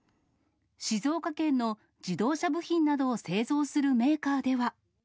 静岡県の自動車部品などを製造するメーカーでは。